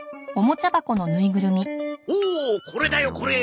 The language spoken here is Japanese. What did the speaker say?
おおこれだよこれ。